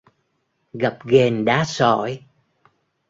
Gập ghềnh đá sỏi